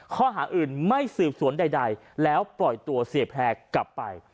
ข้อหาอื่นไม่สืบสวนใดแล้วปล่อยตัวเสียแพร่กลับไป